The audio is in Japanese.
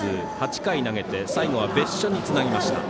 ８回投げて最後は別所につなぎました。